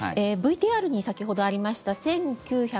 ＶＴＲに先ほどありました